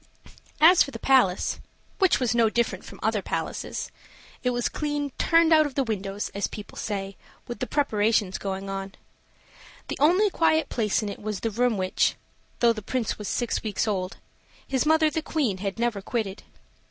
As for the palace which was no different from other palaces it was clean "turned out of the windows," as people say, with the preparations going on. The only quiet place in it was the room which, though the Prince was six weeks old, his mother the Queen had never quitted.